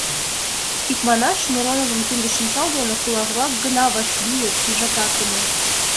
Икманаш, Мироновым кинде-шинчал дене кулак-влак гына вашлийыт, ужатат ыле.